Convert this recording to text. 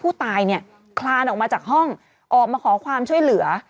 ผู้ตายเนี่ยคลานออกมาจากห้องออกมาขอความช่วยเหลือ